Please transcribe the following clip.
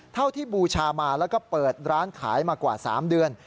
เท่าที่บูชามาแล้วก็เปิดร้านขายมากว่า๓เดือน